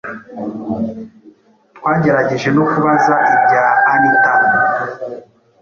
twagerageje no kubaza ibya anita